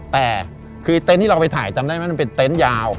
แต่คือเต็นต์ที่เราไปถ่ายจำได้ไหมมันเป็นเต็นต์ยาว